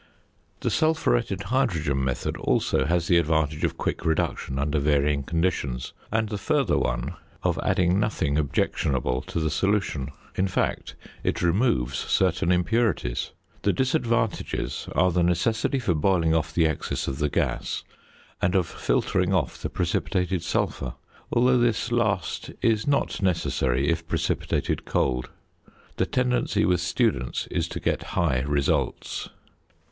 The sulphuretted hydrogen method also has the advantage of quick reduction under varying conditions, and the further one of adding nothing objectionable to the solution; in fact it removes certain impurities. The disadvantages are the necessity for boiling off the excess of the gas, and of filtering off the precipitated sulphur, although this last is not necessary if precipitated cold. The tendency with students is to get high results.